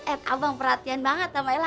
eh abang perhatian banget sama ella